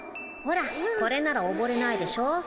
ほらこれならおぼれないでしょ。